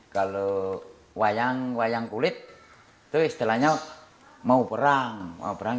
kalau wayang wayang kulit itu istilahnya mau perang